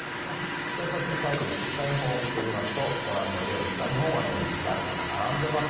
そして最後に週間予報を見ますとご覧のように北日本は雪だるまが並んでいます。